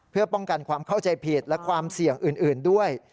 เพื่อป้องกันความเข้าใจผิดและความเสี่ยงอื่นด้วย